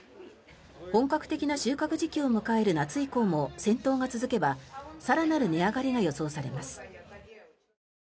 本格的な収穫時期を迎える夏以降も戦闘が続けば更なる値上がりが予想されます。